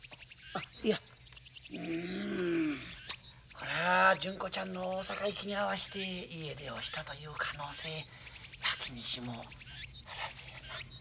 これは純子ちゃんの大阪行きに合わして家出をしたという可能性なきにしもあらずやな。